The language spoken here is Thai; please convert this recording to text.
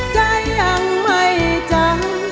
ใจยังไม่จัง